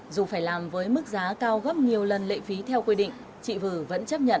dù phải làm với mức giá cao gấp nhiều lần lệ phí theo quy định chị vư vẫn chấp nhận